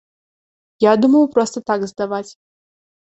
Я думаў проста так здаваць.